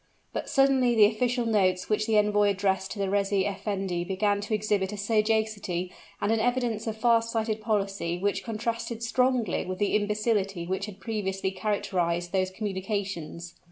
But suddenly the official notes which the envoy addressed to the reis effendi began to exhibit a sagacity and an evidence of far sighted policy which contrasted strongly with the imbecility which had previously characterized those communications.